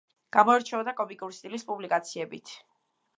გამოირჩეოდა კომიკური სტილის პუბლიკაციებით.